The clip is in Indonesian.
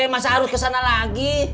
masa harus kesana lagi